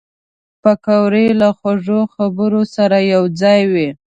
پکورې له خوږو خبرو سره یوځای وي